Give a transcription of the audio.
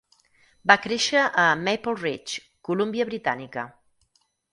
Va créixer a Maple Ridge, Columbia Britànica.